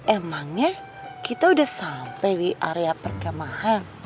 emangnya kita udah sampai di area perkemahan